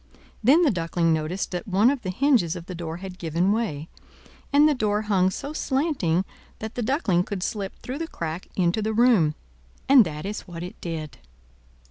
Then the Duckling noticed that one of the hinges of the door had given way, and the door hung so slanting that the Duckling could slip through the crack into the room; and that is what it did.